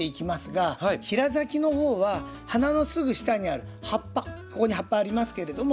平咲きの方は花のすぐ下にある葉っぱここに葉っぱありますけれども。